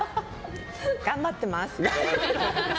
頑張ってます！